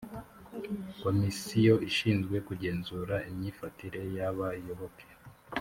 komisiyo ishinzwe kugenzura imyifatire y’abayoboke.